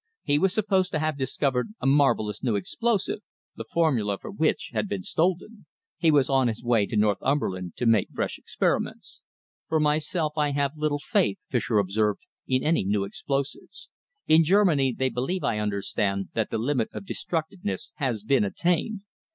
He was supposed to have discovered a marvellous new explosive, the formula for which had been stolen. He was on his way up to Northumberland to make fresh experiments." "For myself I have little faith," Fischer observed, "in any new explosives. In Germany they believe, I understand, that the limit of destructiveness has been attained."